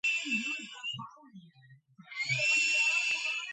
გადასახადები ხაზინაში შემოდიოდა ცუდად.